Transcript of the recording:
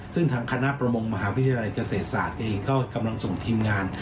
ซึ่งทางคณะประมงมหาวิทยาลัยเกษตรศาสตร์เองก็กำลังส่งทีมงาน